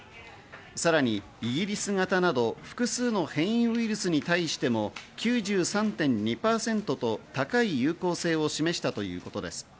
さらにイギリス型など複数の変異ウイルスに対しても９３．２％と高い有効性を示したということです。